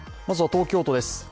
まずは東京都です。